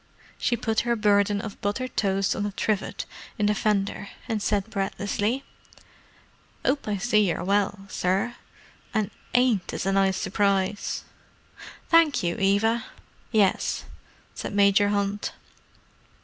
She put her burden of buttered toast on a trivet in the fender, and said breathlessly: "'Ope I see yer well, sir. And ain't this a nice s'prise!" "Thank you, Eva—yes," said Major Hunt.